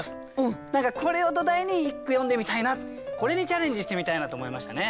何かこれを土台に一句詠んでみたいなこれにチャレンジしてみたいなって思いましたね。